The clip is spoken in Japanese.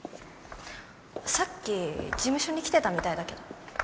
さっき事務所に来てたみたいだけど。